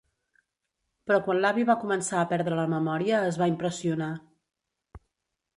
Però quan l'avi va començar a perdre la memòria es va impressionar.